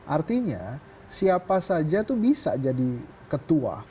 artinya siapa saja itu bisa jadi ketua